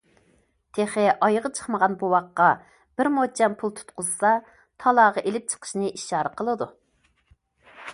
تېخى ئايىغى چىقمىغان بوۋاققا بىر موچەن پۇل تۇتقۇزسا، تالاغا ئېلىپ چىقىشنى ئىشارە قىلىدۇ.